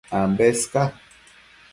Ambes ca